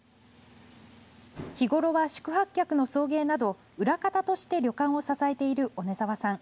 日頃は宿泊客の送迎など、裏方として旅館を支えている小根澤さん。